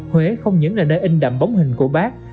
huế không những là nơi in đậm bóng hình của bác